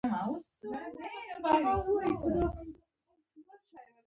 ایا ستاسو نظر ژور نه دی؟